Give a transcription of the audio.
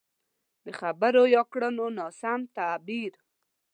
د خبرو يا کړنو ناسم تعبير.